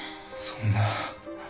そんな